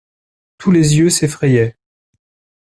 Tous les yeux s'effrayaient.